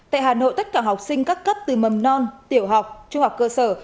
tại hà nội tất cả học sinh các cấp từ mầm non tiểu học trung học cơ sở